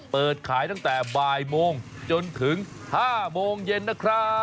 เปิดขายตั้งแต่บ่ายโมงจนถึง๕โมงเย็นนะครับ